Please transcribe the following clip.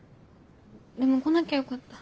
でも来なきゃよかった。